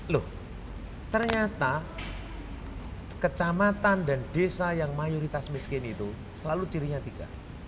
loh ternyata kecamatan dan desa yang mayoritas miskin itu selalu cirinya tiga